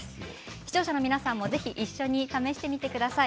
視聴者の皆さんもぜひ一緒に試してみてください。